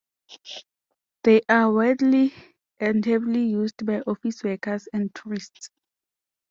They are widely and heavily used by office workers and tourists.